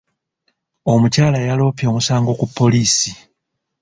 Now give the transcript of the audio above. Omukyala yaloopye omusango ku poliisi.